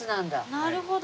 なるほど。